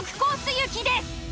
行きです。